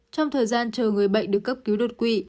trong thời gian chờ người bệnh được cấp cứu đột quỵ